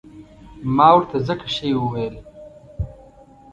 ما ورته ځکه شی وویل.